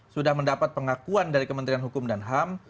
sudah mendapat pengakuan dari kementerian hukum dan ham